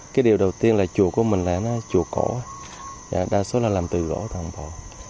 cái điều đầu tiên là chùa của mình là chùa cổ đa số là làm từ gỗ toàn bộ